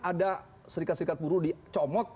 ada serikat serikat buruh dicomot